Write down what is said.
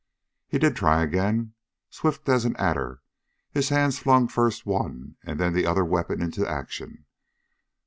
He did try again. Swift as an adder, his hands flung first one and then the other weapon into action.